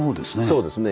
そうですね。